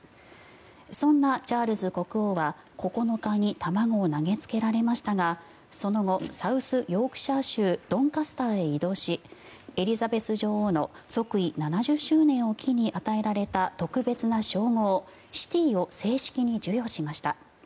そんなチャールズ国王は９日に卵を投げつけられましたがその後、サウスヨークシャー州ドンカスターへ移動しエリザベス女王の即位７０周年を機に与えられた特別な称号、シティを正式に授与しました。